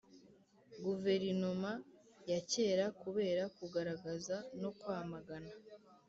guverinoma ya kera kubera kugaragaza no kwamagana